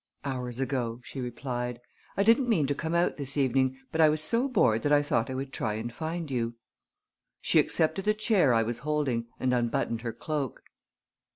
"Hours ago," she replied. "I didn't mean to come out this evening, but I was so bored that I thought I would try and find you." She accepted the chair I was holding and unbuttoned her cloak.